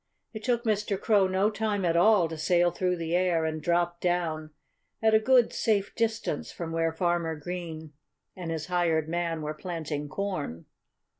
It took Mr. Crow no time at all to sail through the air and drop down at a good, safe distance from where Farmer Green and his hired man were planting corn.